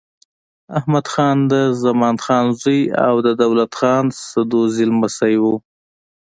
احمدخان د زمان خان زوی او د دولت خان سدوزايي لمسی و.